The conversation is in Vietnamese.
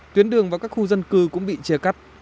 tuyến đường và các khu dân cư cũng bị chia cắt